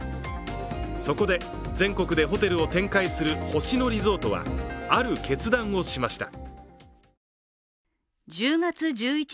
そこで全国でホテルを展開する星野リゾートはある決断をしました。